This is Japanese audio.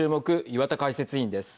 岩田解説委員です。